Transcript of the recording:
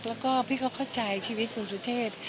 แล้วก็พี่เขาเข้าใจชีวิตคุณสุเทพ